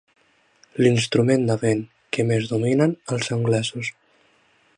L'instrument de vent que més dominen els anglesos.